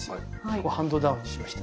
こうハンドダウンしまして。